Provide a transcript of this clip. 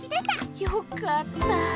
よかった。